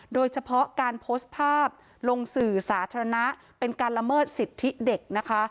โดยเฉพาะการโพสต์ภาพลงสื่อสาธารณะเป็นการละเมิดสิทธิเด็กนะคะ